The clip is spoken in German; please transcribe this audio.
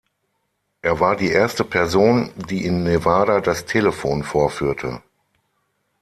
Er war die erste Person, die in Nevada das Telefon vorführte.